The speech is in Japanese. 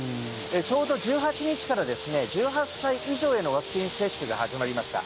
ちょうど１８日から１８歳以上へのワクチン接種が始まりました。